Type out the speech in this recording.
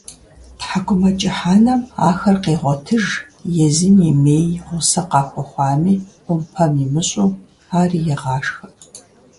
ТхьэкIумэкIыхь анэм ахэр къегъуэтыж, езым имеи гъусэ къахуэхъуами, Iумпэм имыщIу, ари егъашхэ.